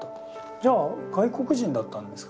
じゃあ外国人だったんですか？